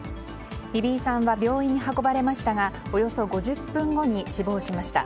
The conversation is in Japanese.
伊比井さんは病院に運ばれましたがおよそ５０分後に死亡しました。